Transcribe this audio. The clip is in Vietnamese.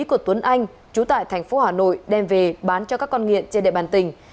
của tuấn anh chú tại thành phố hà nội đem về bán cho các con nghiện trên địa bàn tỉnh